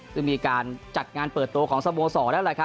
ซึ่งมีการจัดงานเปิดตัวของสโมสรแล้ว